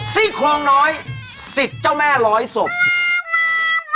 ซิคคลองน้อยศิษย์เจ้าแม่ร้อยสนซิคคลองมือยดูอย่างนี้